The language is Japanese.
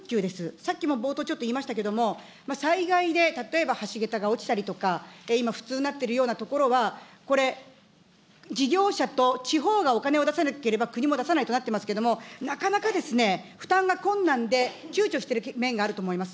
さっきも冒頭ちょっと言いましたけれども、災害で、例えば橋桁が落ちたりとか、今、不通になっているような所は、これ、事業者と地方がお金を出さなければ国も出さないとなってますけれども、なかなか負担が困難でちゅうちょしている面があると思います。